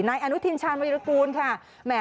นายอนุทินชาญวิรากูลค่ะ